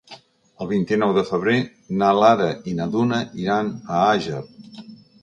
El vint-i-nou de febrer na Lara i na Duna iran a Àger.